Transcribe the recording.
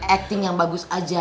akting yang bagus aja